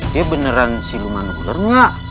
dia beneran siluman gulernya